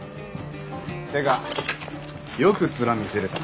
てかよくツラ見せれたな。